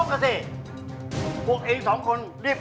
จัดเต็มให้เลย